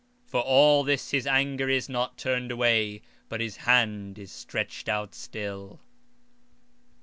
For all this his anger is not turned away, but his hand is stretched out still.